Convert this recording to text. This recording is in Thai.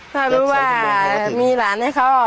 ถ้ารู้ว่ามีหลานให้เขา